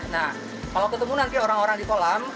nah kalau ketemu nanti orang orang di kolam